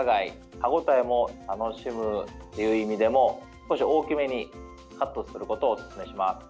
歯応えも楽しむという意味でも少し大きめにカットすることをおすすめします。